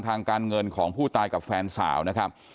ทางการเงินของผู้ตายกับแฟนสาวนะครับ